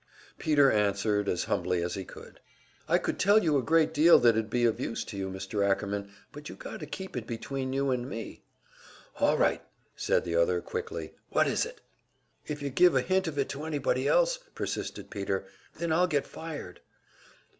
Peter answered, as humbly as he could: "I could tell you a great deal that'd be of use to you, Mr. Ackerman, but you got to keep it between you and me." "All right!" said the other, quickly. "What is it?" "If you give a hint of it to anybody else," persisted Peter, "then I'll get fired."